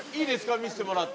見せてもらって。